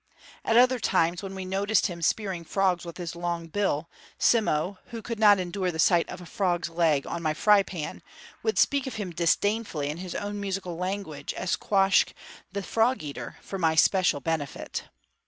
At other times, when we noticed him spearing frogs with his long bill, Simmo, who could not endure the sight of a frog's leg on my fry pan, would speak of him disdainfully in his own musical language as Quoskh the Frog Eater, for my especial benefit.